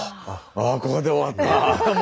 ああここで終わったぁ。